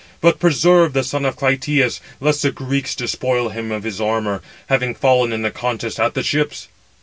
But preserve the son of Clytius, lest the Greeks despoil him of his armour, having fallen in the contest at the ships."